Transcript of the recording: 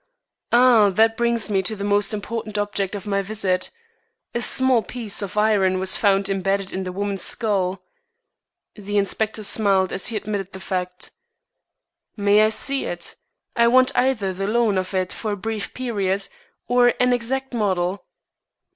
"Ah, that brings me to the most important object of my visit. A small piece of iron was found imbedded in the woman's skull." The inspector smiled as he admitted the fact. "May I see it? I want either the loan of it for a brief period, or an exact model."